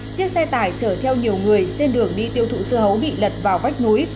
chiếc xe tải chở theo nhiều người trên đường đi tiêu thụ dưa hấu bị lật vào vách núi